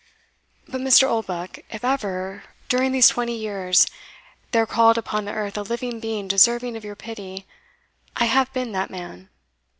But, Mr. Oldbuck, if ever, during these twenty years, there crawled upon earth a living being deserving of your pity, I have been that man.